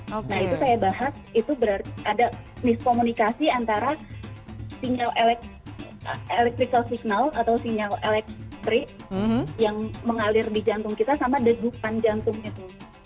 nah itu saya bahas itu ada miskomunikasi antara sinyal elektrik yang mengalir di jantung kita sama degupan jantung itu